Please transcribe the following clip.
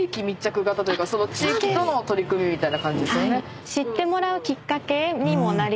その地域との取り組みみたいな感じですよね。